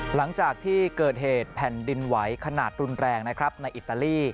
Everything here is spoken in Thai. หลังจากที่เกิดเหตุแผ่นดินไหวขนาดรุนแรงนะครับในอิตาลี